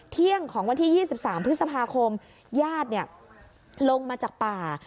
เที่ยงของวันที่๒๓พฤษภาคมญาติลงมาจากป่า